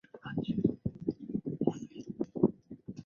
县治米尼奥拉。